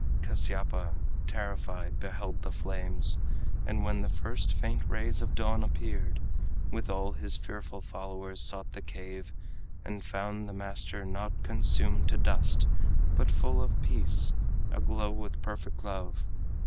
Kasyapa, terrified, beheld the flames, And when the first faint rays of dawn appeared With all his fearful followers sought the cave, And found the master not consumed to dust, But full of peace, aglow with perfect love.